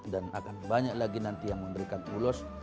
dan akan banyak lagi nanti yang memberikan ulos